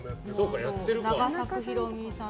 永作博美さん。